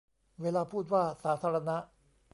เวลาพูดว่า 'สาธารณะ'